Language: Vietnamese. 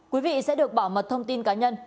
quý vị sẽ được bảo mật thông tin cá nhân